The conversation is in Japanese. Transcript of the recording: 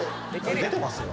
出てますよ。